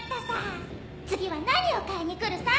次は何を買いに来るさ？